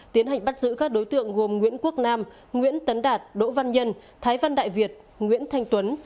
tiến hành bắt giữ các đối tượng gồm nguyễn quốc nam nguyễn tấn đạt đỗ văn nhân thái văn đại việt nguyễn thanh tuấn